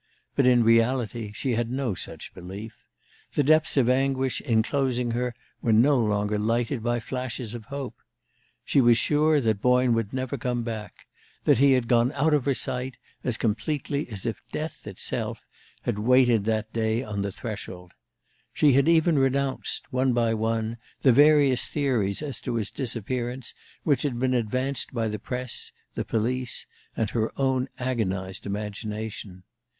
But in reality she had no such belief: the depths of anguish inclosing her were no longer lighted by flashes of hope. She was sure that Boyne would never come back, that he had gone out of her sight as completely as if Death itself had waited that day on the threshold. She had even renounced, one by one, the various theories as to his disappearance which had been advanced by the press, the police, and her own agonized imagination.